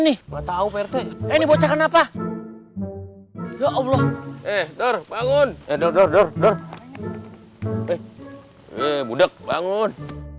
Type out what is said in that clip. nih enggak tahu perte ini bocah kenapa ya allah eh dor bangun eduk dor dor dor eh budak bangun